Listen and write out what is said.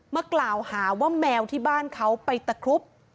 มากล่าวหาว่าแมวที่บ้านเขาไปตะครุบ